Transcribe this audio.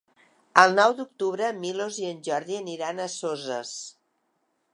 El nou d'octubre en Milos i en Jordi aniran a Soses.